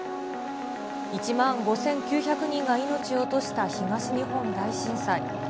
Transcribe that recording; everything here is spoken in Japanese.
１万５９００人が命を落とした東日本大震災。